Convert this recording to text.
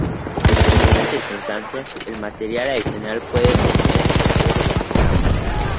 En estas circunstancias, el material adicional puede tener que ser eliminado.